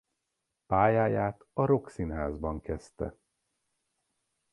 Pályáját a Rock Színházban kezdte.